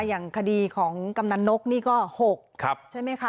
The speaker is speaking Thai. อย่างคดีของกำนันนกนี่ก็๖ใช่ไหมคะ